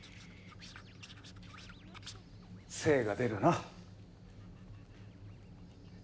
精が出るな。